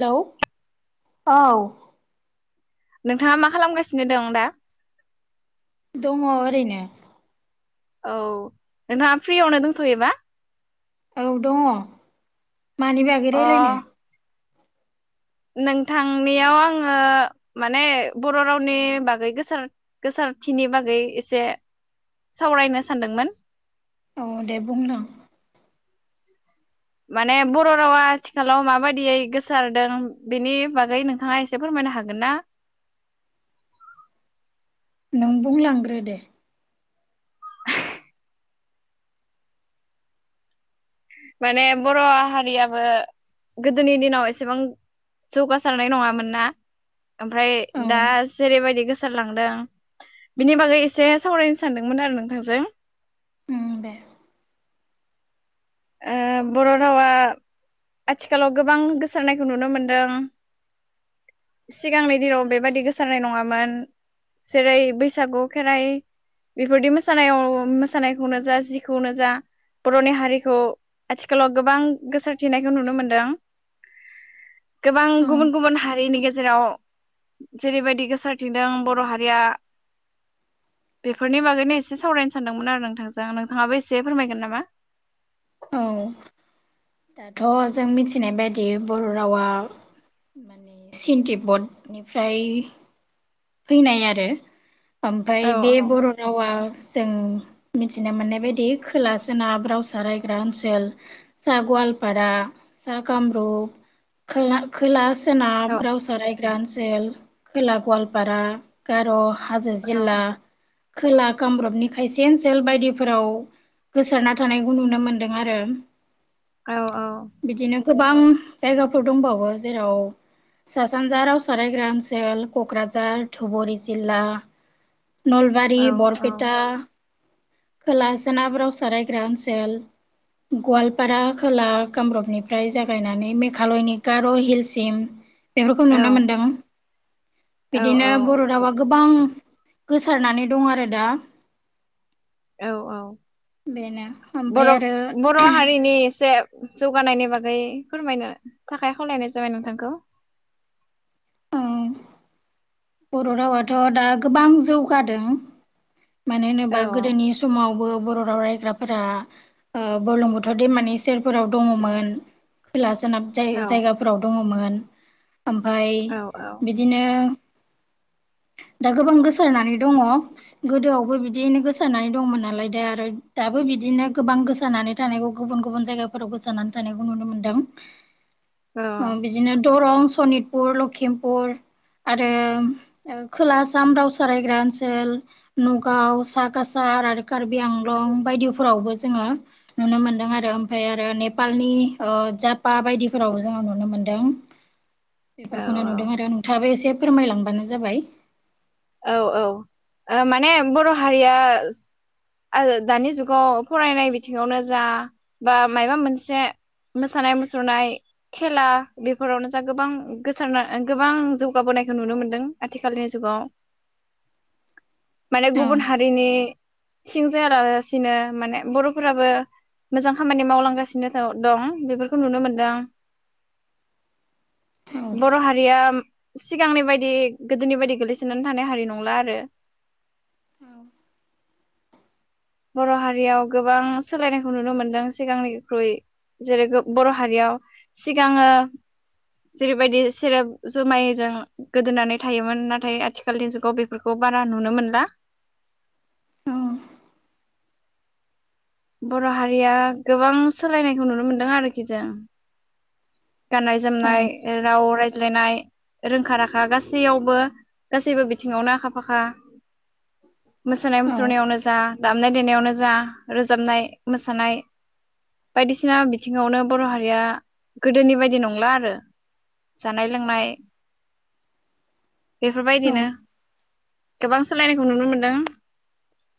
Hello औ। नोंथाङा मा खालामगासिनो दं दा? दङ ओरैनो औ नोंथाङा फ्रियावनो दंथ'योबा? औ दङ। मानि बागै अ रायलायनो? नोंथांनियाव आङो माने बर' रावनि बागै गोसार गोसारखिनि बागै एसे सावरायनो सानदोंमोन। अ दे बुं नों। माने बर' रावा आथिखालाव माबायदियै गोसारदों बेनि बागै नोंथाङा एसे फोरमायनो हागोन ना? नों बुंलांग्रो दे। माने बर' हारियाबो गोदोनि दिनाव एसेबां जौगासारनाय नङामोन ना ओमफ्राय औ दा जेरैबायदि गोसारलांदों बिनि बागै एसे सावरायनो सानदोंमोन आरो नोंथांजों। उम दे। ओ बर' रावा आथिखालाव गोबां गोसारनायखौ नुनो मोनदों। सिगांनि दिनाव बेबादि गोसारनाय नङामोन जेरै बैसागु खेराइ बेफोरदि मोसानायाव मोसानायखौनो जा जिखौनो जा बर'नि हारि खौ आथिखालाव गोबां गोसारथिनायखौ नुनो मोनदों। गोबां उम गुबुन गुबुन हारिनि गेजे जेराव जेरैबायदि गोसारथिंदों बर' हारिया बेफोरनि बागैनो एसे सावरायनो सानदोंमोन आरो नोंथांजों नोंथाङाबो एसे फोरमायगोन नामा? औ दाथ' जों मिथिनाय बायदि बर' रावा माने चीन तिब्बतनिफ्राय फैनाय आरो। ओमफाय औ बे बर' रावा जों मिथिनो मोननाय बायदि खोला सोनाब रावसा रायग्रा ओनसोल सा गवालपारा सा कामरुप खोला खोला सोनाब औ रावसा राय दासेल खोला गवाल पारा गार' हाजो औ जिल्ला खोला कामरुपनि खायसे ओनसोल बायदिफोराव गोसारना थानायखौ नुनो मोनदों आरो। औ बिदिनो गोबां जायगाफोर दंबावो जेराव सा सानजा रावसा रायग्रा ओनसोल क क'क्राझार धुबुरि जिल्ला नलबारि औ बरपेटा खोला सोनाब रावसा रायग्रा ओनसोल गवालपारा खोला कामरुपनिफ्राय जागायनानै मेघालयनि गार' हिलसिम बेफोरखौ नुनो मोनदों बिदिनो बर' रावा गोबां गोसारनानै दं आरो दा। औ औ बेनो ओमफ्राय बर' आरो बर' हारिनि एसे जौगानायनि बागै फोरमायनो थाखाय खावलायनाय जाबाय नोंथांखौ। ओं। बर' रावाथ' दा गोबां जौगादों। मानो औ होनोबा गोदोनि समावबो बर' राव रायग्राफोरा ओ बुरलुंबुथुर दैमानि सेरफोराव दङमोन खोला सोनाब जाय औ जायगाफोराव दङमोन। मोन। ओमफाय औ बिदिनो दा गोबां गोसारनानै दङ गोदोआवबो बिदियैनो गोसारनानै दंमोन नालाय दा आरो दाबो बिदिनो गोबां गोसारनानै थानायखौ गुबुन गुबुन जायगाफोराव गोसारनानै थानायखौ नुनो मोनदों। औ अ बिदिनो दरं सनितपुर लखिमपुर आरो रो खोला आसाम रावसा रायग्रा ओनसोल नगाव सा कासार आरो कार्बि आंलं बायदिफोरावबो जोङो नुनो मोनदों आरो ओमफ्राय आरो नेपालनि ओ जापा बायदिफोरावबो जोङो नुनो मोनदों। औ बेफोरखौ नुदों आरो नोंथाङाबो एसे फोरमायलांबानो जाबाय औ औ ओ माने बर' हारिया आरो दानि जुगाव फरायनाय बिथिङावनो जा बा मायबा मोनसे मोसानाय मुसुरनाय खेला बेफोरावनो जा गोबां गोसारना गोबां जौगाबोनायखौ नुनो मोनदों आथिखालनि जुगाव। माने औ गुबुन हारिनि सिं जाया लासिनो माने बर'फोराबो मोजां खामानि मावलांगासिनो दं बेफोरखौ नुनो मोनदों। औ बर' हारिया सिगांनि बायदि गोदोनि बायदि गोलैस सोनानै थानानै थानाय हारि नंला आरो औ बर' हारियाव गोबां सोलायनायखौ नुनो मोनदों सिगांनिख्रुइ जेरै गो बर' हारियाव सिगाङो जेरैबायदि सेरेब जुमायजों गोदोनानै थायोमोन नाथाय आथिखालनि जुगाव बेफोरखौ बारा नुनो मोनला। बर' हारिया गोबां सोलायनायखौ नुनो मोनदों आरोखि जों। गाननाय औ जोमनाय राव रायज्लायनाय रोंखा राखा गासैयावबो गासैबो बिथिङावनो आखा फाखा। मोसानाय औ मुसुरनायावनो जा दामनाय देनायावनो जा रोजाबनाय मोसानाय बायदिसिना बिथिङावनो बर' हारिया गोदोनि बायदि नंला आरो। जानाय लोंनाय औ बेफोरबायदिनो गोबां सोलायनायखौ नुनो मोनदों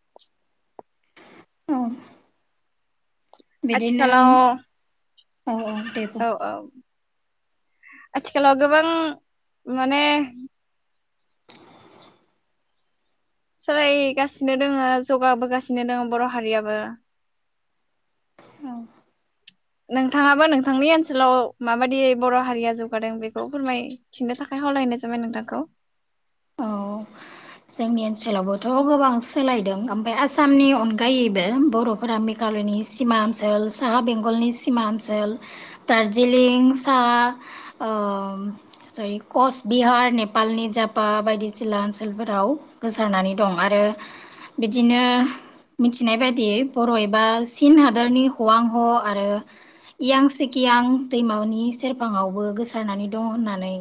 [inaudible] औ बिदिनो आथिखालाव‌ औ औ दे बुं औ औ आथिखालाव गोबां माने सोलायगासिनो दोङो जौगाबोगासिनो दङ बर' हारियाबो। औ नोंथाङाबो नोंथांनि ओनसोलाव माबायदि बर' हारिया जौगादों बेखौ फोरमायफिननो थाखाय खावलायहनाय जाबाय नोंथांखौ। औ जोंनि ओनसोलावबोथ' गोबां सोलायदों ओमफ्राय आसामनि अनगायैबो बर'फोरा मेघालयनि सिमा ओनसोल साहा बेंख गलनि सिमा ओनसोल, दार्ज्लिं सा ओम जयै कचबिहार नेपालनि जाफ अ बायदिजिला ओनसोलफोराव गोसारनानै दं आरो बिदिनो मिथिनाय बायदियै बर' एबा चीन हादोरनि हवांह' आरो इयांसिकियां दैमानि सेरफाङावबो गोसारनानै दं होननानै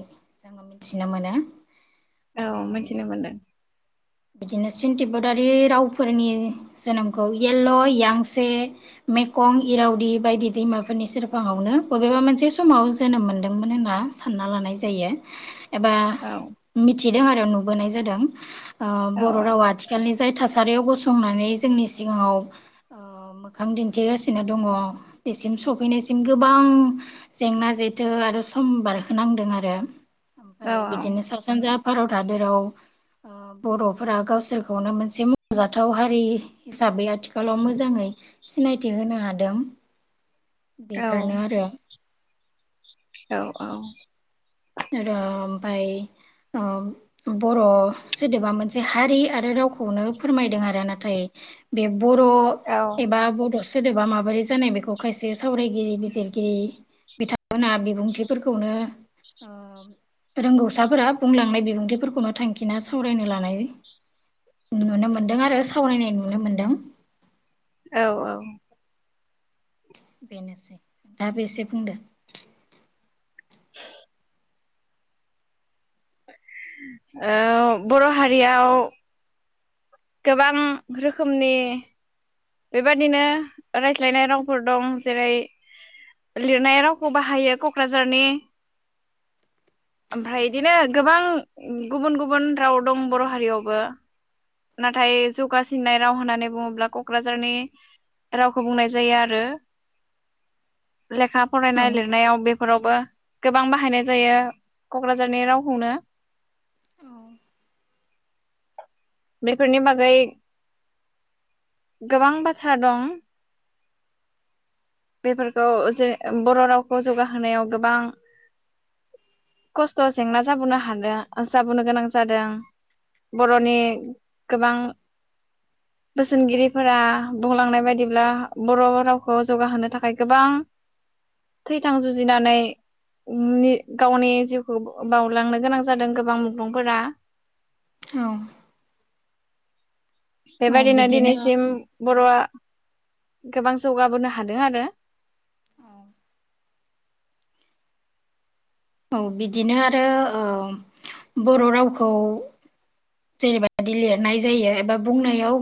जोङो मिथिनो मोनो। औ मिथिनो मोनदों। बिदिनो सिन तिब्बतारि रावफोरनि जोनोमखौ एल्ल', एयांसे, मेखं, इरावदि बायदि दैमाफोरनि सेरफाङावनो बबेबा मोनसे समाव जोनोम मोनदोंमोन होनना सानना लानाय जायो। एबा औ मि थिदों आरो नुबोनाय जादों। ओ औ बर' रावा आथिखालनि जाय थासा सारियाव गसंनानै जोंनि सिगाङाव ओ मोखां दिन्थिगासिनो दङ' बेसिम सफैनायसिम गोबां जेंना जेथो आरो सम बारहोनांदों आरो औ ओमफ्राय बिदिनो सा सानजा भारत हाद जेराव बर'फोरा गावसोरखौनो मोनसे मावख'जाथाव हारि हिसाबै आथिखालाव मोजाङै सिनायथि होनो हादों। औ बेफोरनो आरो। औ औ र ओमफाय ओ बर' सोदोबा मोनसे हारि आरो रावखौ खौनो फोरमायदों आरो ना। थाय बे बर' औ एबा बड' सो सोदोबा माबोरै जानाय बेखौ खायसे सावरायगिरि बिजिरगिरि बिथांमोना बिबुंथिफोरखौनो ओ रोंगौसाफोरा बुंलांनाय बिबुंथिफोरखौनो थांखिना सावरायनो लानाय नुनो मोनदों आरो सावरायनाय नुनो मोनदों। औ औ बेनोसै। नोंथाङाबो एसे बुंदों। [inaudible] ओ बर' हारियाव गोबां रोखोमनि बेबादिनो रायज्लायनाय रावफोर दं जेरै- लिरनाय रावखौ बाहायो क'क्राझारनि ओमफ्राय बिदिनो गोबां गुबुन गुबुन राव दं बर' हारियावबो नाथाय जौगासिननाय राव होननानै बुङोब्ला क क'क्राझारनि रावखौ बुंनाय जायो आरो। लेखा फरायनाय औ लिरनायाव बे फोरावबो गोबां बाहायनाय जायो क'क्राझारनि रावखौनो बेफोरनि बागै गोबां बाथ्रा दं। बेफोरखौ जे बर' रावखौ जौगाहोनायाव गोबां खस्थ' जेंना जाबोनो हादो जाबोनो गोनां जादों बर'नि गोबां बोसोनगिरिफोरा बुंलांनाय बायदिब्ला बर' रावखौ जौगाहोनो थाखाय गोबां थै-थां जुजिनानै ओमनि गावनि जिउखौ बावलांनो गोनां जादों गोबां मुंख्लंफोरा। औ औ बेबादिनो बिदिनो दिनैसिम बर'आ गोबां जौगाबोनो हादों आरो। औ बिदिनो आरो ओ बर' रावखौ जेनैबादि लिरनाय जायो एबा बुंनायाव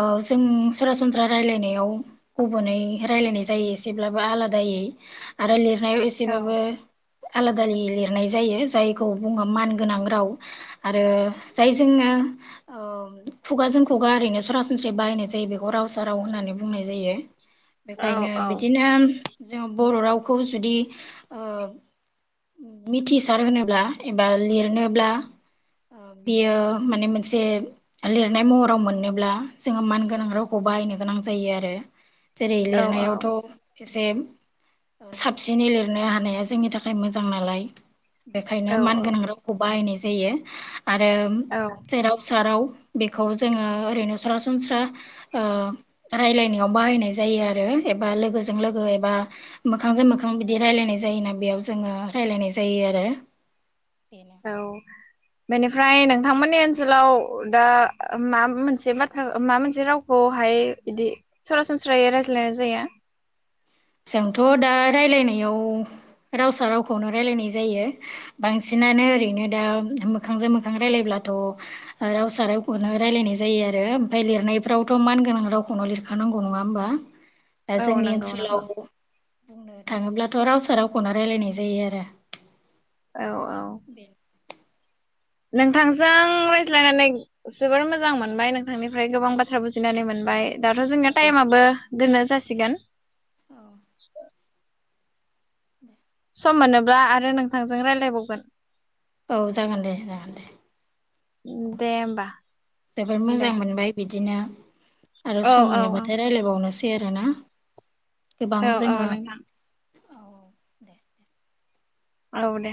ओ जों सरासनस्रा रायलायनायाव गुबुनै रायलायनाय जायो एसेब्लाबो आलादायै आरो लिर नायाव औ एसेबाबो आलादा लिरनाय जायो जायखौ बुङो मानगोनां राव आरो जायजोङो औ खुगाजों खुगा ओरैनो सरासनस्रायै बाहायनाय जायो बेखौ रावसा राव होननानै बुंनाय जायो। बेखायनो औ बिदिनो जों बर' रावखौ जुदि ओ मिथिसार होनोब्ला एबा लिरनोब्ला बियो माने मोनसे लिरनाय महराव मोननोब्ला जोङो मानगोनां रावखौ बाहायनो गोनां जायो आरो जेरै औ लिरनायावथ' औ एसे साबसिनै लिरनो हानाया जोंनि थाख खाय मोजां नालाय बेखायनो औ मानगोनां रावखौ बाहायनाय जा जायो। आरो औ जेराव सेराव बेखौ जोङो ओरैनो सरासनस्रा ओ रायलायनायाव बाहायनाय जायो आरो एबा लोगोजों लोगो एबा मोखांजों मोखां बिदि रायलायनाय जायोना बेयाव जोङो रायलायनाय जायो आरो। बेनो औ बेनिफ्राय नोंथांमोननि ओनसोलाव दा माबा मोनसे बाथ्रा माबा मोनसे रावखौहाय बिदि सरासनस्रायै रायज्लायनाय जायोना रायज्लाया? जोंथ' दा रायलायनायाव रावसा रावखौनो रायलायनाय जायो बांसिनानो ओरैनो दा मोखांजों मोखां रायलायब्लाथ' रावसा रावखौनो रायलायनाय जायो आरो ओमफ्राय लिरनायफ्रावथ' मानगोनां रावखौनो लिरखानांगौ नङा होमबा। दा औ जोंनि नंगौ नंगौ ओनसोलाव बुंनो थाङोब्लाथ' रावसा रावखौनो रायलायनाय जायो आरो। औ औ बे नोंथांजों रायज्लायनानै जोबोर मोजां मोनबाय नोंथांनिफ्राय गोबां बाथ्रा बुजिनानै मोनबाय दाथ' औ जोंनिया टाइम आबो दोननो जासि सिगोन औ [inaudible] सम मोनोब्ला आरो नोंथांजों रायज्लायबावगोन। औ जागोन दे जागोन दे औ दे होमबा जोबोद दे मोजां मोनबाय बिदि बिदिनो आरो औ सम औ मोनबाथाय रायज्लायबावनोसै आरो ना? औ औ नोंथां। औ औ दे दे। औ दे।